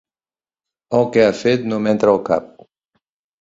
El que ha fet no m'entra al cap.